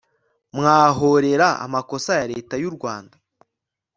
Mwahorera amakosa ya reta yurwanda